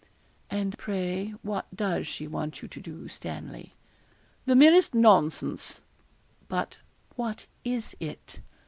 'And pray, what does she want you to do, Stanley?' 'The merest nonsense.' 'But what is it?'